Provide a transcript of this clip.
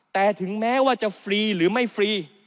แต่ถึงแม้ว่าจะฟรีหรือไม่ฟรี